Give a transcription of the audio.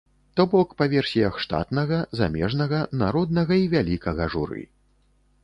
То бок, па версіях штатнага, замежнага, народнага і вялікага журы.